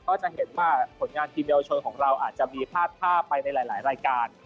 ก็จะเห็นว่าผลงานทีมเยาวชนของเราอาจจะมีพลาดท่าไปในหลายรายการ